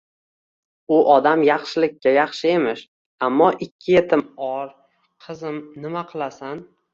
U odam yaxshilikka yaxshi emish, ammo ikki yetimn or, qizim, nima qilasan?